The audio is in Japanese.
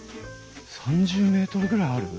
３０ｍぐらいある？